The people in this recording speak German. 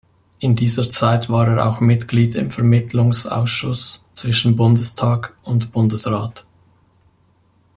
In dieser Zeit war er auch Mitglied im Vermittlungsausschuss zwischen Bundestag und Bundesrat.